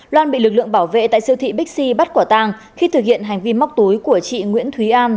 loan bị lực lượng bảo vệ tại siêu thị bixi bắt quả tàng khi thực hiện hành vi móc túi của chị nguyễn thúy an